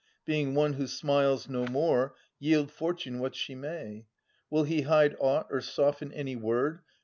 being one Who smiles no more, yield Fortune what she may. Will he hide aught or soften any word.